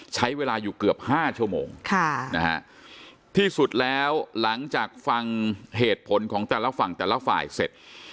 ใช้เวลาอยู่เกือบ๕ชั่วโมงที่สุดแล้วหลังจากฟังเหตุผลของแต่ละฝั่งแต่ละฝ่ายเสร็จ